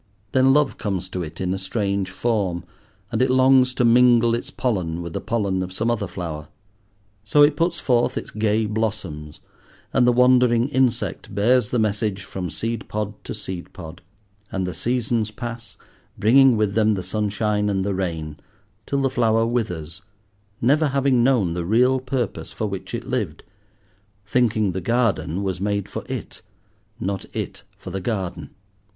Then love comes to it in a strange form, and it longs to mingle its pollen with the pollen of some other flower. So it puts forth its gay blossoms, and the wandering insect bears the message from seed pod to seed pod. And the seasons pass, bringing with them the sunshine and the rain, till the flower withers, never having known the real purpose for which it lived, thinking the garden was made for it, not it for the garden.